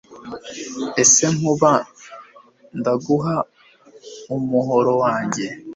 ese Nkuba ndaguha umuhoro wahjye